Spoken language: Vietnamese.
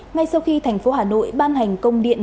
ngay sau khi thành phố hà nội ban hành công điện